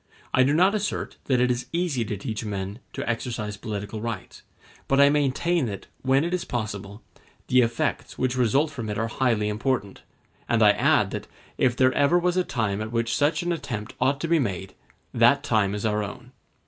I do not assert that it is easy to teach men to exercise political rights; but I maintain that, when it is possible, the effects which result from it are highly important; and I add that, if there ever was a time at which such an attempt ought to be made, that time is our own.